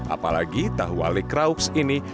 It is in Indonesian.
apalagi tahu wale krauks ini